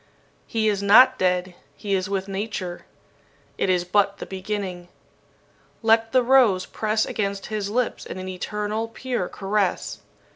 He is not dead He is with Nature. It is but the beginning! "Let the rose press against his lips in an eternal, pure caress.